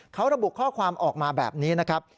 เขาระบุข้อความออกมาแบบนี้นะครับ